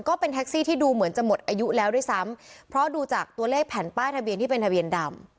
ก็เป็นแท็กซี่ที่ดูเหมือนจะหมดอายุแล้วด้วยซ้ำเพราะดูจากตัวเลขแผ่นป้ายทะเบียนที่เป็นทะเบียนดำ